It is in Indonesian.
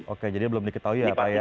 oke jadi belum diketahui apa ya